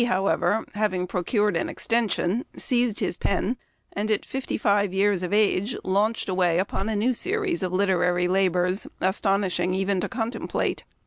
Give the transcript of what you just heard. however, having procured an extension, seized his pen, and, at fifty five years of age, launched away upon a new series of literary la bors astonishing even to contemplate.